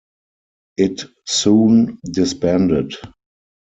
It soon disbanded.